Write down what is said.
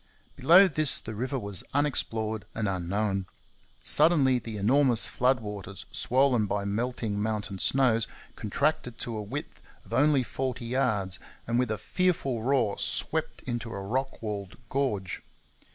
Below this the river was unexplored and unknown. Suddenly the enormous flood waters swollen by melting mountain snows contracted to a width of only forty yards, and with a fearful roar swept into a rock walled gorge.